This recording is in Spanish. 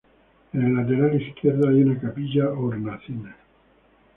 En el lateral izquierdo hay una capilla-hornacina.